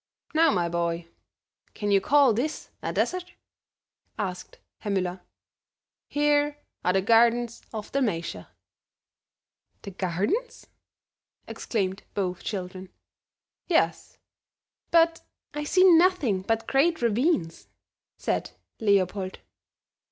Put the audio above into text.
"Now, my boy, can you call this a desert?" asked Herr Müller. "Here are the gardens of Dalmatia." "The gardens?" exclaimed both children. "Yes." "But I see nothing but great ravines," said Leopold.